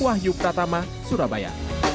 wahyu pratama surabaya